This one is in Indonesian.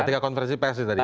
ketika konversi psi tadi